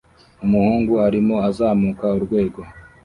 Umuhungu arimo azamuka urwego